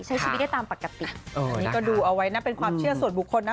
ใช้ชีวิตได้ตามปกติอันนี้ก็ดูเอาไว้นะเป็นความเชื่อส่วนบุคคลนะ